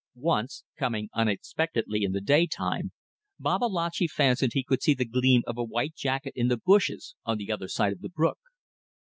Once, coming unexpectedly in the daytime, Babalatchi fancied he could see the gleam of a white jacket in the bushes on the other side of the brook.